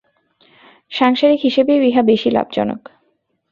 সাংসারিক হিসাবেও ইহা বেশী লাভজনক।